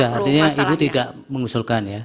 ya artinya ibu tidak mengusulkan ya